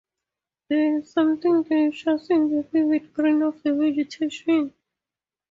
There is something delicious in the vivid green of the vegetation.